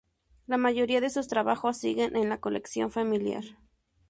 La mayoría de sus trabajos siguen en la colección familiar.